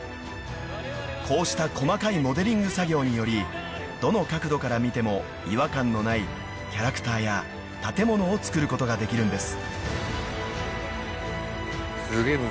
［こうした細かいモデリング作業によりどの角度から見ても違和感のないキャラクターや建物を作ることができるんです］